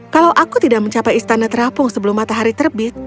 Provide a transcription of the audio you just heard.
kalau aku tidak mencapai istana terapung sebelum matahari terbit